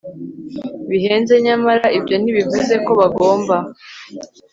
bihenze nyamara ibyo ntibivuze ko bagomba